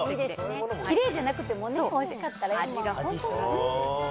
きれいじゃなくてもね、おいしかったらいいもん。